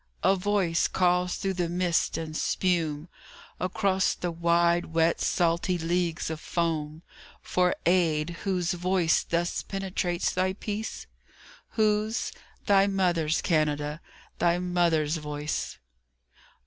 A voice calls through the mist and spume Across the wide wet salty leagues of foam For aid. Whose voice thus penetrates thy peace? Whose? Thy Mother's, Canada, thy Mother's voice.